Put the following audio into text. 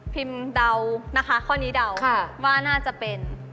แล้วอันนี้ข้อนี้พิมเดาว่าน่าจะเป็น